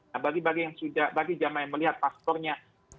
nah bagi jamaah yang melihat paspornya